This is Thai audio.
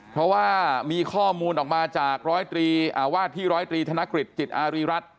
เพราะว่ามีข้อมูลออกมาจากร้อยว่าที่ร้อยตรีธนกฤษจิตอารีรัฐ